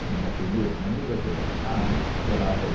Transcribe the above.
him if he knew of any liquor in town, that I had.